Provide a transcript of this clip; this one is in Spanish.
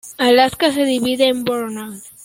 Alaska se divide en boroughs.